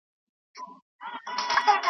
هر ملت خپل ځانګړی فرهنګ لري.